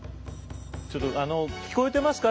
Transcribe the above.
ちょっとあの聞こえてますか？